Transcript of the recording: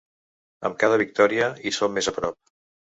Amb cada victòria, hi som més a prop.